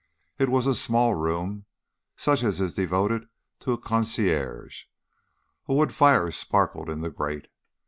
It was a small room, such as is devoted to a concierge. A wood fire sparkled in the grate.